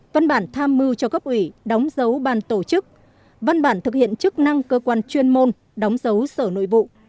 văn bản tham mưu cho cấp ủy đóng dấu ban tổ chức văn bản thực hiện chức năng cơ quan chuyên môn đóng dấu sở nội vụ